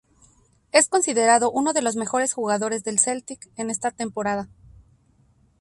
Es considerado uno de los mejores jugadores del Celtic en esta temporada.